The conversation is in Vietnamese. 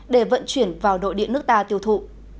để vận chuyển vào đội điện nước ta tiêu thụ